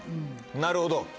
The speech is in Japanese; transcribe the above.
なるほど。